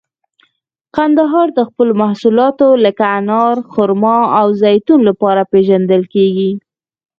کندهار د خپلو محصولاتو لکه انار، خرما او زیتون لپاره پیژندل کیږي.